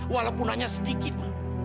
walaupun hanya sedikit ma